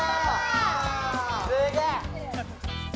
すげえ！